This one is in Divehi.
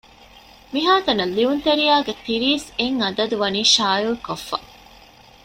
މިހާތަނަށް ލިޔުންތެރިޔާ ގެ ތިރީސް އެއް އަދަދު ވަނީ ޝާއިޢުކޮށްފަ